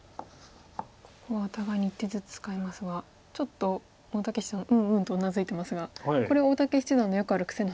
ここはお互いに１手ずつ使いますがちょっと大竹七段うんうんとうなずいてますがこれは大竹七段のよくある癖なんですか。